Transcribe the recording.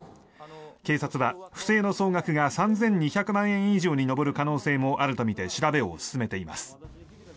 警察は不正の総額が３２００万円以上に上る可能性もあるとみて調べを進めています。